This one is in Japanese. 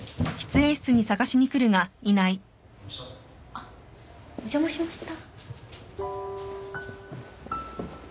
あっお邪魔しました。